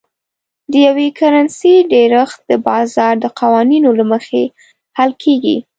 د یوې کرنسۍ ډېرښت د بازار د قوانینو له مخې حل کیږي.